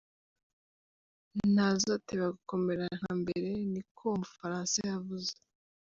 "Ntazoteba gukomera nka mbere," ni ko uwo mufaransa yavuze.